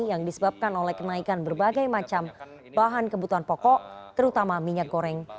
yang disebabkan oleh kenaikan berbagai macam bahan kebutuhan pokok terutama minyak goreng